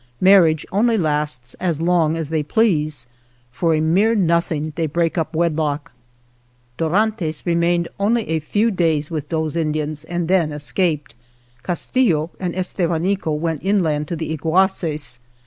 Marriage only lasts as long as they please. For a mere nothing they break up wedlock. Dorantes remained only a few days with those Indians and then escaped. Castillo and Estevanico went inland to the Iguaces.